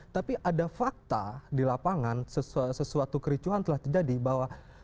tapi ada fakta di lapangan sesuatu kericuhan telah terjadi bahwa